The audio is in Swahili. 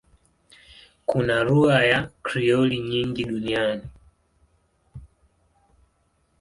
Kuna lugha za Krioli nyingi duniani.